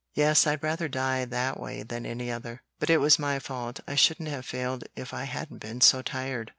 "Yes, I'd rather die that way than any other. But it was my fault; I shouldn't have failed if I hadn't been so tired.